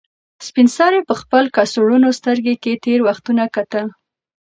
سپین سرې په خپل کڅوړنو سترګو کې تېر وختونه کتل.